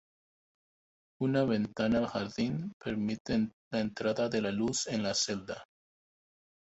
Una ventana al jardín permite la entrada de la luz en la celda.